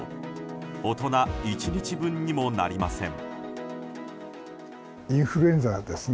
大人１日分にもなりません。